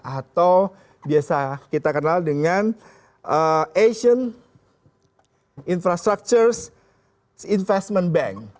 atau biasa kita kenal dengan asian infrastructures investment bank